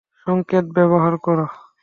সংকেত ব্যবহার কর!